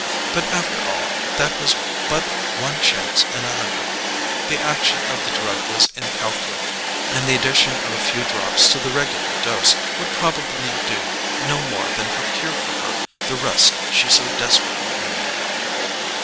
But after all that was but one chance in a hundred: the action of the drug was incalculable, and the addition of a few drops to the regular dose would probably do no more than procure for her the rest she so desperately needed....